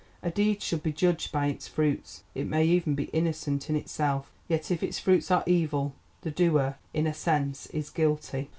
A deed should be judged by its fruits; it may even be innocent in itself, yet if its fruits are evil the doer in a sense is guilty.